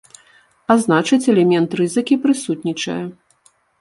А значыць, элемент рызыкі прысутнічае.